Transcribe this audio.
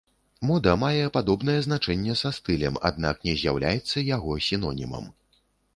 Мода мае падобнае значэнне са стылем, аднак не з'яўляецца яго сінонімам.